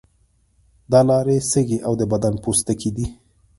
دا لارې سږی او د بدن پوستکی دي.